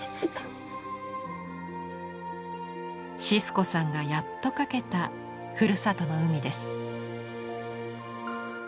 シスコさんがやっと描けた「ふるさとの海」です。